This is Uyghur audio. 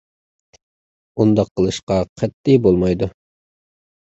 ئۇنداق قىلىشقا قەتئىي بولمايدۇ.